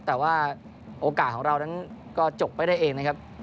แต่ว่าโอกาสของเรานั้นก็จบไปได้เองนะครับ